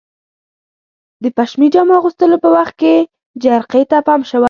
د پشمي جامو اغوستلو په وخت کې جرقې ته پام شوی؟